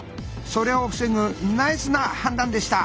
それを防ぐナイスな判断でした。